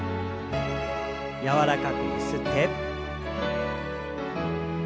柔らかくゆすって。